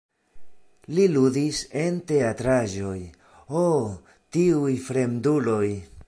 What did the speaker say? Li ludis en teatraĵoj "Ho, tiuj fremduloj!